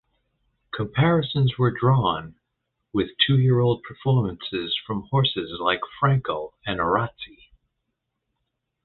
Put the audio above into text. Comparisons were drawn with two year old performances from horses like Frankel and Arazi.